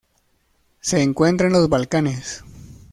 Se encuentra en los Balcanes.